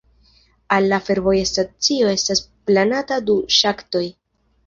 Al la fervoja stacio estas planata du ŝaktoj.